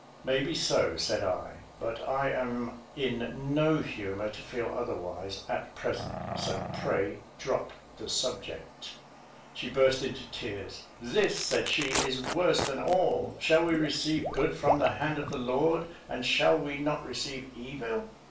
"May be so," said I; "but I am in no humour to feel otherwise, at present, so pray drop the subject." She burst into tears. "This," said she, "is worse than all. Shall we receive good from the hand of the Lord, and shall we not receive evil?"